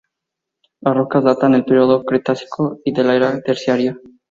Las rocas datan del período Cretácico y de la Era Terciaria.